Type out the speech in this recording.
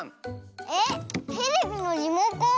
えっテレビのリモコン。